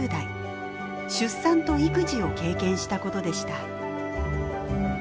出産と育児を経験したことでした